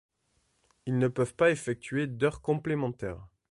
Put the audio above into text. Ils ne peuvent pas effectuer d'heures complémentaires.